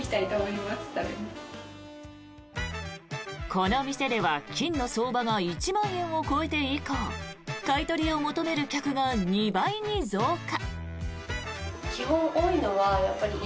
この店では金の相場が１万円を超えて以降買い取りを求める客が２倍に増加。